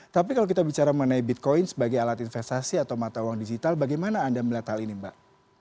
tapi kalau kita bicara mengenai bitcoin sebagai alat investasi atau mata uang digital bagaimana anda melihat hal ini mbak